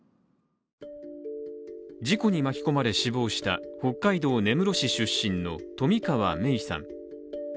事故に巻き込まれ死亡した北海道根室市出身の冨川芽生さん。